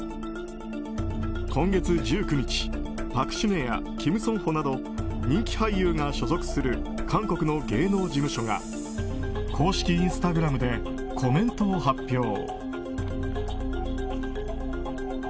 今月１９日、パク・シネやキム・ソンホなど人気俳優が所属する韓国の芸能事務所が公式インスタグラムでコメントを発表。